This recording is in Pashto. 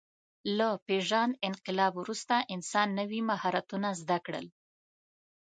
له پېژاند انقلاب وروسته انسان نوي مهارتونه زده کړل.